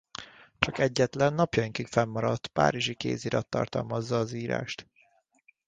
Csak egyetlen napjainkig fennmaradt párizsi kézirat tartalmazza az írást.